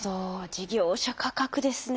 事業者価格ですね。